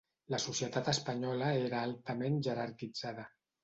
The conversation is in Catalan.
La societat espanyola era altament jerarquitzada.